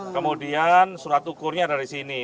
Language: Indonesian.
kemudian surat ukurnya ada di sini